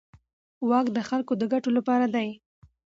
واک د خلکو د ګټو لپاره دی.